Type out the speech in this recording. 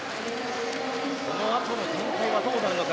このあとの展開はどうなるのか。